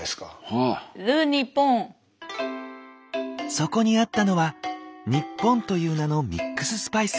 そこにあったのは「ニッポン」という名のミックススパイス。